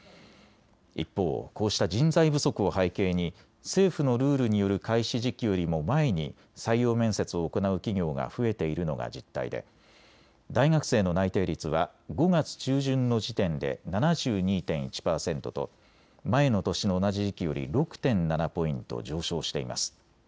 一方、こうした人材不足を背景に政府のルールによる開始時期よりも前に採用面接を行う企業が増えているのが実態で大学生の内定率は５月中旬の時点で７２．１％と前の年の同じ時期より６．７ポイント上昇しています。